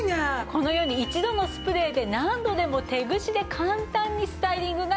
このように一度のスプレーで何度でも手ぐしで簡単にスタイリングができるんです。